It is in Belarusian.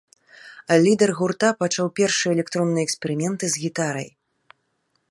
Лідар гурта пачаў першыя электронныя эксперыменты з гітарай.